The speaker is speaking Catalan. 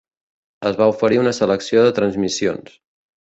Es va oferir una selecció de transmissions.